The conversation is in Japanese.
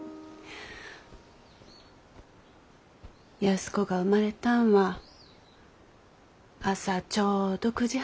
安子が生まれたんは朝ちょうど９時半じゃった。